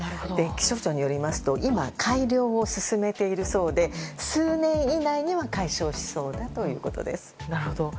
気象庁によりますと今、改良を進めているそうで数年以内には解消しそうだということです。